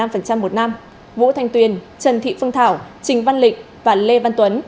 vũ thanh tuyền trần thị phương thảo trình văn lịch và lê văn tuấn